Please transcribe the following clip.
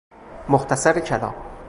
مختصر کلام